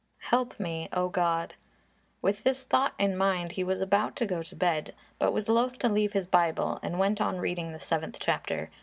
Help me, oh God!" With this thought in his mind, he was about to go to bed, but was loath to leave his Bible, and went on reading the seventh chapter.